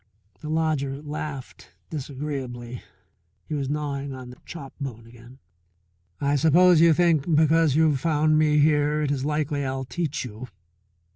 The lodger laughed disagreeably, he was gnawing on the chop bone again. "I suppose you think because you've found me here it is likely I'll teach you you!